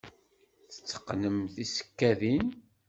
Tetteqqnem tisekkadin?